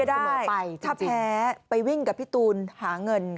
เอาอย่างนี้ก็ได้ถ้าแพ้ไปวิ่งกับพี่ตูนหาเงิน